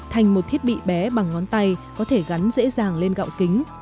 thành một thiết bị bé bằng ngón tay có thể gắn dễ dàng lên gạo kính